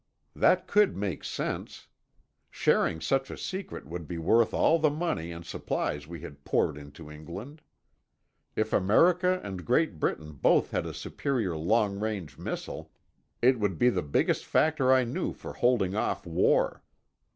That could make sense. Sharing such a secret would be worth all the money and supplies we had poured into England. If America and Great Britain both had a superior long range missile, it would be the biggest factor I knew for holding off war.